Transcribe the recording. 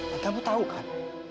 dan kamu tahu kan